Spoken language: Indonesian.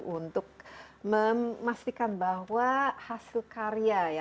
untuk memastikan bahwa hasil karya ya anak anak bangsa ini